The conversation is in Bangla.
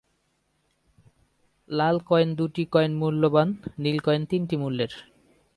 লাল কয়েন দুটি কয়েন মূল্যবান, নীল কয়েন তিনটি মূল্যের।